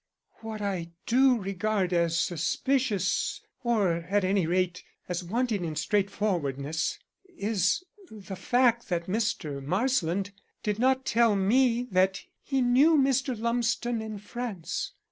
"What I do regard as suspicious or, at any rate, as wanting in straightforwardness is the fact that Mr. Marsland did not tell me that he knew Mr. Lumsden in France.